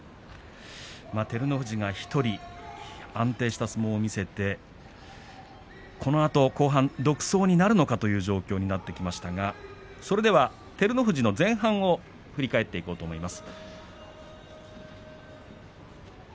照ノ富士が１人安定した相撲を見せてこのあと後半、独走になるのかという状況になってきましたが照ノ富士の前半を振り返っていこうと思います。